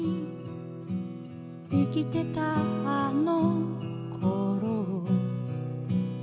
「生きてたあの頃を」